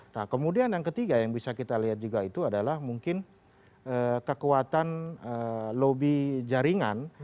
nah kemudian yang ketiga yang bisa kita lihat juga itu adalah mungkin kekuatan lobi jaringan